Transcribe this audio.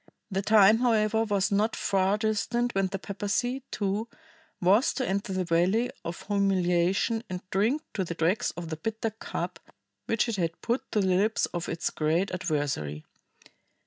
The time, however, was not far distant when the papacy, too, was to enter the valley of humiliation and drink to the dregs the bitter cup which it had put to the lips of its great adversary.